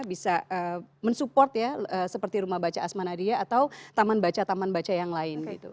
bisa mensupport ya seperti rumah baca asma nadia atau taman baca taman baca yang lain gitu